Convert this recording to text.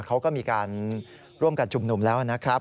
เขาก็มีการร่วมกันชุมนุมแล้วนะครับ